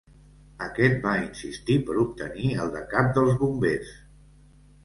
Aquest va insistir per obtenir el de cap dels bombers.